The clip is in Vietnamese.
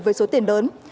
với số tiền lớn